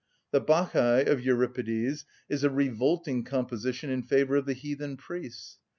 The Bacchæ of Euripides is a revolting composition in favour of the heathen priests.